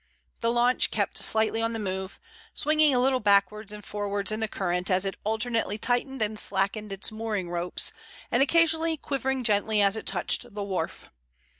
The launch kept slightly on the move, swinging a little backwards and forwards in the current as it alternately tightened and slackened its mooring ropes, and occasionally quivering gently as it touched the wharf.